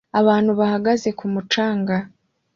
Abantu bahagaze ku mucanga